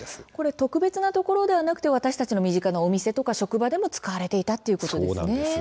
特別なところではなく私たちの身近なお店や職場などでも使われていたということですね。